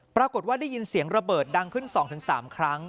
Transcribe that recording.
ปรากฏว่าได้ยินเสียงระเบิดดังขึ้น๒๓ครั้ง